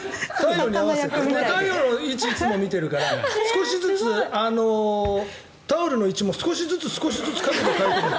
太陽の位置をいつも見ているから少しずつタオルの位置も少しずつ少しずつ角度を変えてるの。